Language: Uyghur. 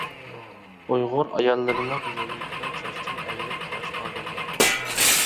ئۇيغۇر ئاياللىرىنىڭ گۈزەللىكىنى چاچتىن ئايرىپ قاراشقا بولمايدۇ.